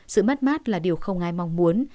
sự mắt mát là điều không ai mong muốn